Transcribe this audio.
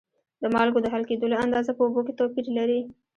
د مالګو د حل کیدلو اندازه په اوبو کې توپیر لري.